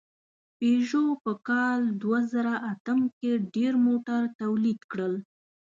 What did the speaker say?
پيژو په کال دوهزرهاتم کې ډېر موټر تولید کړل.